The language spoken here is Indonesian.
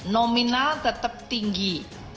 nominal tetap tinggi